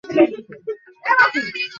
সে বারবার মৃত্যু থেকে বেঁচে যাচ্ছে।